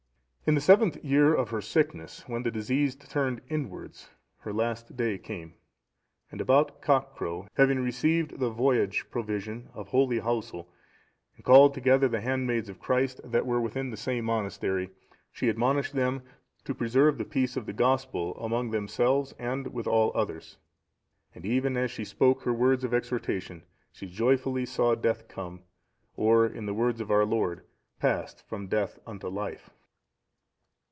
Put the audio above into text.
In the seventh year of her sickness, when the disease turned inwards, her last day came, and about cockcrow, having received the voyage provision(705) of Holy Housel, and called together the handmaids of Christ that were within the same monastery, she admonished them to preserve the peace of the Gospel among themselves, and with all others; and even as she spoke her words of exhortation, she joyfully saw death come, or, in the words of our Lord, passed from death unto life.